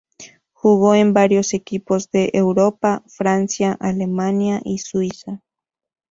Jugó en varios equipos de Europa: Francia, Alemania y Suiza.